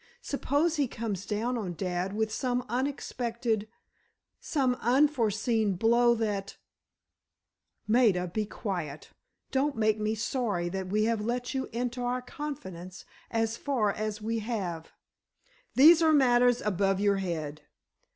Suppose he comes down on dad with some unexpected, some unforeseen blow that——" "Maida, be quiet. Don't make me sorry that we have let you into our confidence as far as we have. These are matters above your head.